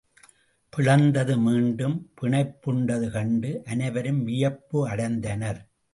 பிளந்தது மீண்டும் பிணைப்புண்டது கண்டு அனைவரும் வியப்பு அடைந்தனர்.